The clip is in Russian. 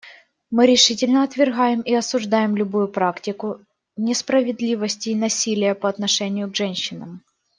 Мы решительно отвергаем и осуждаем любую практику несправедливости и насилия по отношению к женщинам.